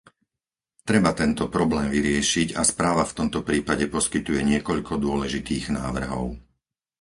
Treba tento problém vyriešiť a správa v tomto prípade poskytuje niekoľko dôležitých návrhov.